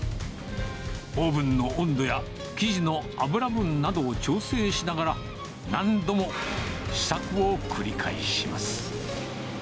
オーブンの温度や、生地の脂分などを調整しながら、何度も試作を繰り返します。